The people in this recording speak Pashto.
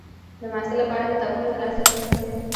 د محصل لپاره کتابونو ته لاسرسی مهم دی.